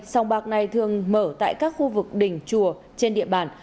sông bạc này thường mở tại các khu vực đỉnh chùa trên địa bàn